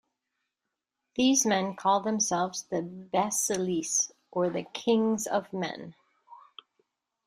These men call themselves the "basileis", or the "kings of men".